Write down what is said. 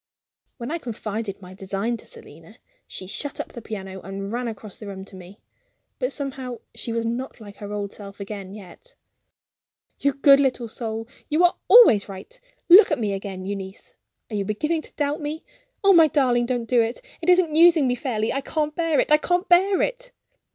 When I confided my design to Selina, she shut up the piano and ran across the room to me. But somehow she was not like her old self again, yet. "You good little soul, you are always right. Look at me again, Euneece. Are you beginning to doubt me? Oh, my darling, don't do that! It isn't using me fairly. I can't bear it I can't bear it!"